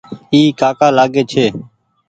اي ڪآڪآ لآگي ڇي۔